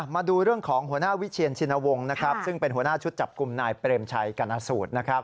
มาดูเรื่องของหัวหน้าวิเชียนชินวงศ์นะครับซึ่งเป็นหัวหน้าชุดจับกลุ่มนายเปรมชัยกรณสูตรนะครับ